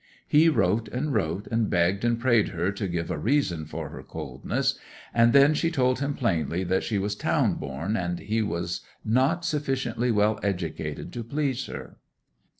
He wrote and wrote, and begged and prayed her to give a reason for her coldness; and then she told him plainly that she was town born, and he was not sufficiently well educated to please her.